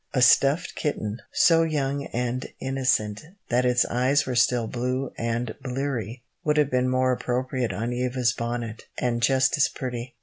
A stuffed kitten, so young and innocent that its eyes were still blue and bleary, would have been more appropriate on Eva's bonnet, and just as pretty.